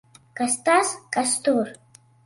Kas tas! Kas tur!